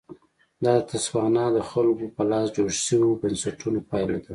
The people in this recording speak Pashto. دا د تسوانا د خلکو په لاس جوړ شویو بنسټونو پایله ده.